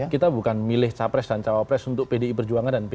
kita bukan milih capres dan cawapres untuk pdi perjuangan dan p tiga